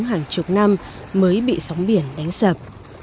hàng chục năm mới bị sóng biển đánh sập